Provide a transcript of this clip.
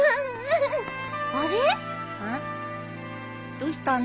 どうしたの？